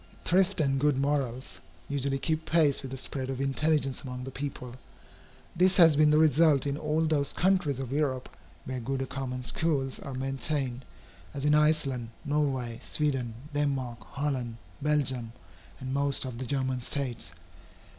Thrift and good morals usually keep pace with the spread of intelligence among the people. This has been the result in all those countries of Europe where good common schools are maintained, as in Iceland, Norway, Sweden, Denmark, Holland, Belgium, and most of the German States.